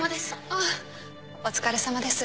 あっお疲れさまです。